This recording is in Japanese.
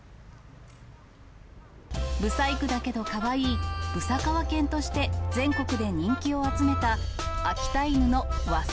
ぶさいくだけどかわいい、ぶさかわ犬として全国で人気を集めた秋田犬のわさ